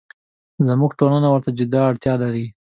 زموږ ټولنه ورته جدي اړتیا لري.